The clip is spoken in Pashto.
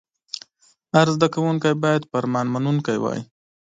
هر زده کوونکی باید فرمان منونکی وای.